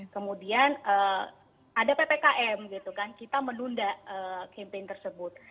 kemudian ada ppkm gitu kan kita menunda campaign tersebut